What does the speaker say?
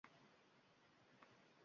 Shu uchungina muvozanat-la aylanadi.